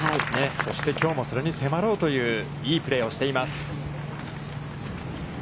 そして、きょうもそれに迫ろうといういいプレーをしています。